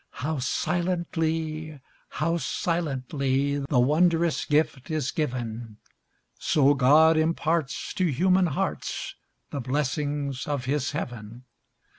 How silently, how silently, The wondrous gift is given! So God imparts to human hearts The blessings of his heaven.